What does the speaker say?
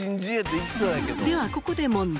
ではここで問題。